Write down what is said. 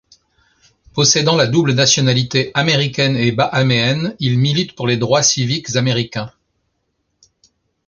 Possédant la double nationalité américaine et bahaméenne, il milite pour les droits civiques américains.